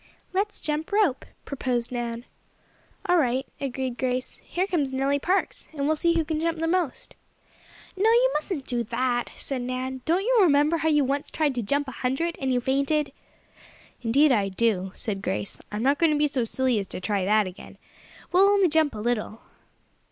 "Let's jump rope," proposed Nan. "All right," agreed Grace. "Here comes Nellie Parks, and we'll see who can jump the most." "No, you mustn't do that," said Nan. "Don't you remember how you once tried to jump a hundred, and you fainted?" "Indeed I do," said Grace. "I'm not going to be so silly as to try that again. We'll only jump a little."